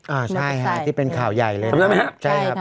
อ่าใช่ฮะที่เป็นข่าวใหญ่เลยถูกไหมครับใช่ครับ